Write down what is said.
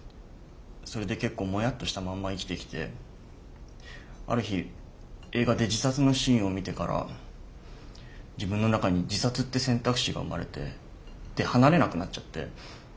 それで結構モヤッとしたまんま生きてきてある日映画で自殺のシーンを見てから自分の中に自殺って選択肢が生まれてで離れなくなっちゃって。